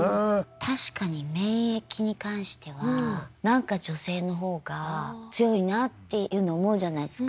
確かに免疫に関しては何か女性の方が強いなっていうの思うじゃないですか。